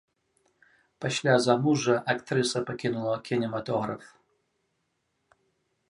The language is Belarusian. Пасля замужжа актрыса пакінула кінематограф.